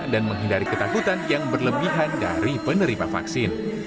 dan menghindari ketakutan yang berlebihan dari penerima vaksin